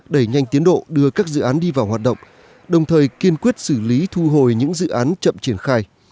đẩy nhanh tiến độ đưa các dự án đi vào hoạt động đồng thời kiên quyết xử lý thu hồi những dự án chậm triển khai